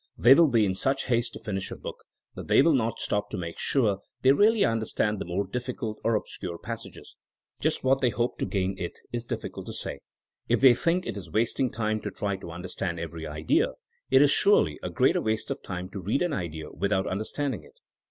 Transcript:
They wiU be in such haste to finish a booi: that they will not stop to make sure they really understand the more difficult or obscure passages. Just what they hope to gain it is difficult to say. If they thiuk it is wasting time to try to understand every idea, it is surely a greater waste of time to read an idea without understanding it.